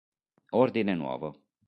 Ordine Nuovo